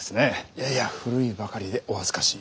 いやいや古いばかりでお恥ずかしい。